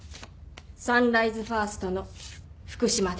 サンライズファーストの福島です。